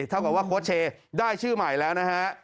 เท่ากับว่าโค้ชเชย์ได้ชื่อใหม่แล้วนะฮะ